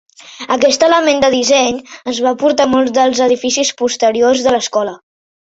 Aquest element de disseny es va portar a molts dels edificis posteriors de l'escola.